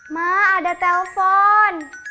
ma ada telpon